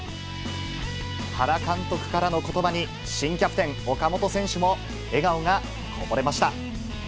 原監督からのことばに、新キャプテン、岡本選手も笑顔がこぼれました。